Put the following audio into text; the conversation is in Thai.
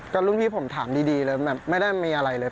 ก็รุ่นพี่ผมถามดีเลยแบบไม่ได้มีอะไรเลย